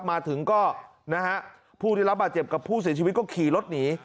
มาถึงก็นะฮะผู้ได้รับบาดเจ็บกับผู้เสียชีวิตก็ขี่รถหนี